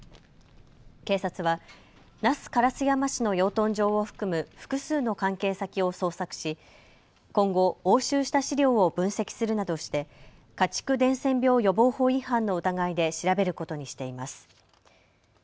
警察は那須烏山市の養豚場を含む複数の関係先を捜索し今後、押収した資料を分析するなどして家畜伝染病予防法違反の疑いで調べることにしています。